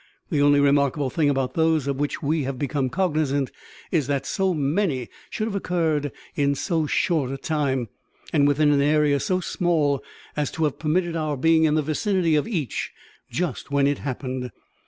The only remarkable thing about those of which we have become cognisant is that so many should have occurred in so short a time, and within an area so small as to have permitted of our being in the vicinity of each just when it happened.